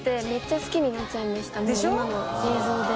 今の映像で。